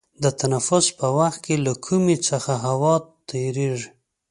د تنفس په وخت کې له کومي څخه یوازې هوا تیرېږي.